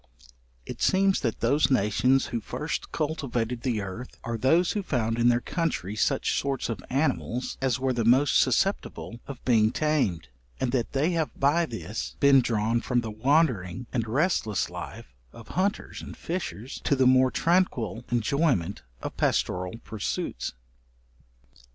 It seems that those nations who first cultivated the earth, are those who found in their country such sorts of animals as were the most susceptible of being tamed, and that they have by this been drawn from the wandering and restless life of hunters and fishers, to the more tranquil enjoyment of pastoral pursuits.